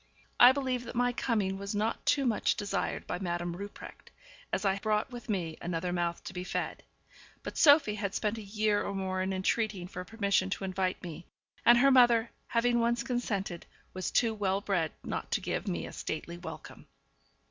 I believe that my coming was not too much desired by Madame Rupprecht, as I brought with me another mouth to be fed; but Sophie had spent a year or more in entreating for permission to invite me, and her mother, having once consented, was too well bred not to give me a stately welcome.